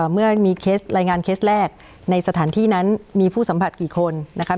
เมื่อมีเคสรายงานเคสแรกในสถานที่นั้นมีผู้สัมผัสกี่คนนะครับ